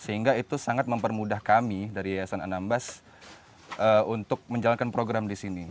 sehingga itu sangat mempermudah kami dari yayasan anambas untuk menjalankan program di sini